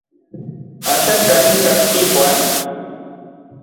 ¿Axan kanin kajki Juan?